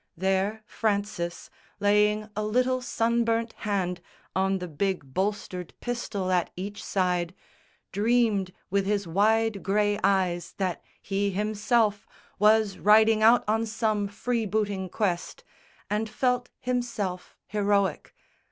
There Francis, laying a little sunburnt hand On the big bolstered pistol at each side, Dreamed with his wide grey eyes that he himself Was riding out on some freebooting quest, And felt himself heroic.